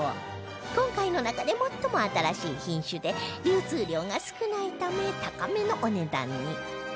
今回の中で最も新しい品種で流通量が少ないため高めのお値段に